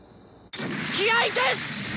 気合いです！